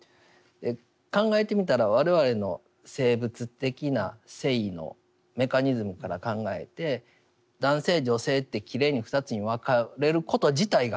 考えてみたら我々の生物的な性のメカニズムから考えて男性女性ってきれいに２つに分かれること自体が不思議ですよね。